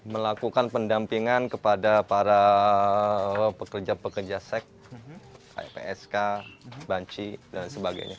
melakukan pendampingan kepada para pekerja pekerja seks psk banci dan sebagainya